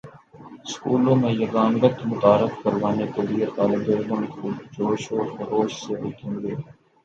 سکولوں میں یگانگت متعارف کروانے کے لیے طالب علم خود جوش و خروش سے اٹھیں گے